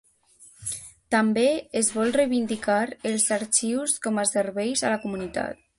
També es vol reivindicar els arxius com a serveis a la comunitat.